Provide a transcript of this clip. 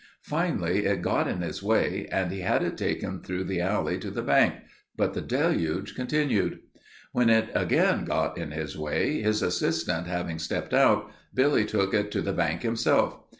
Finally it got in his way and he had it taken through the alley to the bank, but the deluge continued. When it again got in his way, his assistant having stepped out, Billy took it to the bank himself.